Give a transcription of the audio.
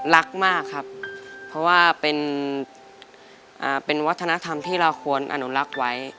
รักมากครับเพราะว่าเป็นวัฒนธรรมที่เราควรอนุรักษ์ไว้